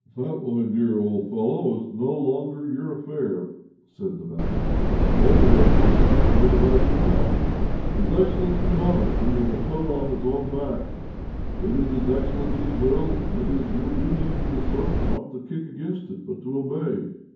"That, my dear old fellow, is no longer your affair," said the vagabond, "whether I drink it or whether I do not. His excellency honours me with a coat off his own back. It is his excellency's will, and it is your duty as a serf not to kick against it, but to obey."